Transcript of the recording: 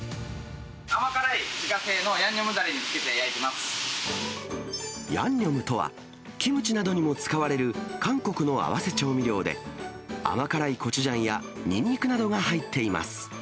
甘辛い自家製のヤンニョムだヤンニョムとは、キムチなどにも使われる韓国の合わせ調味料で、甘辛いコチュジャンやニンニクなどが入っています。